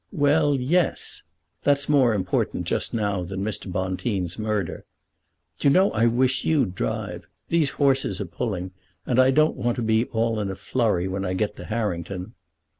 "Well; yes. That's more important just now than Mr. Bonteen's murder. Do you know, I wish you'd drive. These horses are pulling, and I don't want to be all in a flurry when I get to Harrington."